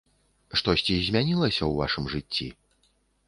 Штосьці змянілася ў вашым жыцці?